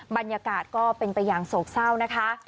บรรยากาศก็เป็นไปอย่างโศกเศร้านะคะ